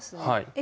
え